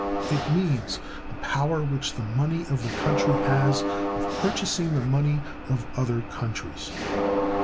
It means the power which the money of the country has of purchasing the money of other countries.